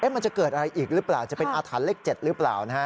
มันจะเกิดอะไรอีกหรือเปล่าจะเป็นอาถรรพ์เลข๗หรือเปล่า